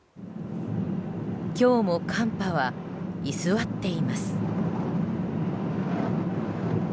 今日も寒波は居座っています。